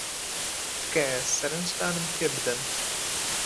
تکایە سەرنجتانم پێ بدەن.